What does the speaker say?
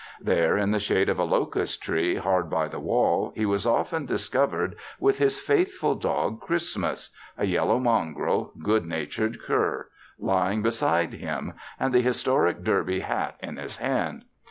There, in the shade of a locust tree hard by the wall, he was often discovered with his faithful dog Christmas a yellow, mongrel, good natured cur lying beside him, and the historic derby hat in his hand.